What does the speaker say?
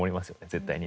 絶対に。